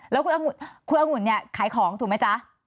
แล้วคุณอังุ่นคุณอังุ่นเนี่ยขายของถูกไหมจ๊ะ